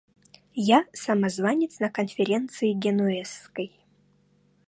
Я — самозванец на конференции Генуэзской.